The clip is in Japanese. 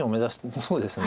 そうですね。